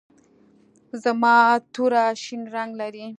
زما توره شین رنګ لري.